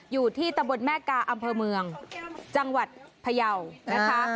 อยู่ที่ตะบนแม่กาอำเภอเมืองจังหวัดพยาวนะคะ